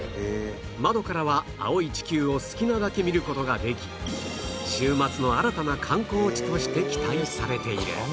窓からは青い地球を好きなだけ見る事ができ週末の新たな観光地として期待されている